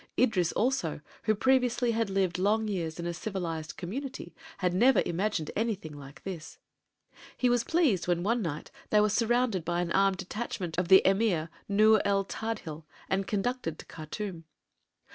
Idris, also, who previously had lived long years in a civilized community, had never imagined anything like this. He was pleased when one night they were surrounded by an armed detachment of the Emir Nur el Tadhil and conducted to Khartûm.